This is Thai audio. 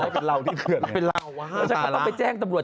แถวนี้เลยไม่ใช่ยาด